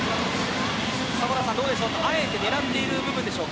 あえて狙っている部分でしょうか。